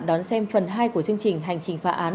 đón xem phần hai của chương trình hành trình phá án